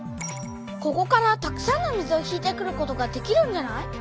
ここからたくさんの水を引いてくることができるんじゃない？